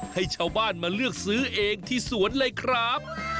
ให้ชาวบ้านมาเลือกซื้อเองที่สวนเลยครับ